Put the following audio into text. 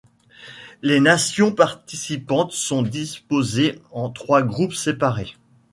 Les nations participantes sont disposées en trois groupes séparés.